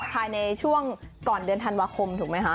ภายในช่วงก่อนเดือนธันวาคมถูกไหมคะ